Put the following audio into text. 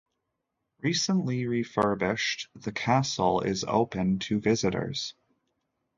Recently refurbished, the castle is open to visitors.